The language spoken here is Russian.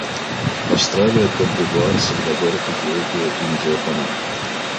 Австралия, Кот-д'Ивуар, Сальвадор, Эфиопия, Индия, Панама.